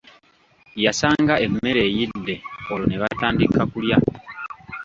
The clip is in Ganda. Yasanga emmere eyidde olwo nebatandika kulya.